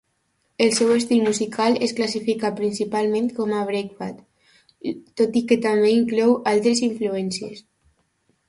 El seu estil musical es classifica principalment com a breakbeat, tot i que també inclou altres influències.